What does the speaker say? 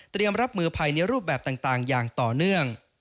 รับมือภัยในรูปแบบต่างอย่างต่อเนื่อง